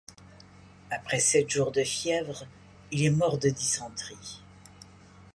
Après sept jours de fièvre, il est mort de dysenterie.